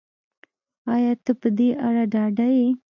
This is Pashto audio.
ایا ته په دې اړه ډاډه یې